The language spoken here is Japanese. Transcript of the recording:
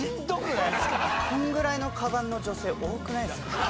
このぐらいのカバンの女性多くないですか？